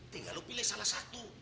tinggal lo pilih salah satu